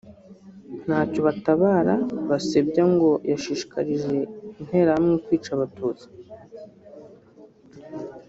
Ntacyobatabara Basebya ngo yashishikarije Interahamwe kwica Abatutsi